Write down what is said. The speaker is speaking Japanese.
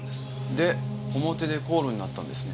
で表で口論になったんですね？